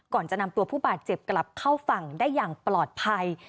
ก่อนจะนำตัวผู้บาดเจ็บกลับเข้าฝั่งได้อย่างปลอดภัย